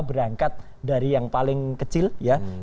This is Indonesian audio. berangkat dari yang paling kecil ya